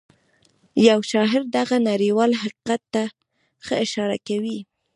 يو شاعر دغه نړيوال حقيقت ته ښه اشاره کوي.